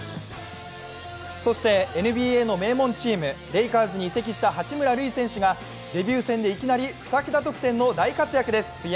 ＮＢＡの名門チーム、レイカーズに移籍した八村塁選手がデビュー戦でいきなり２けた得点です。